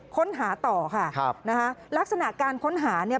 ค้นหาต่อค่ะครับนะคะลักษณะการค้นหาเนี่ย